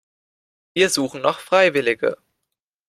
Wir suchen noch Freiwillige.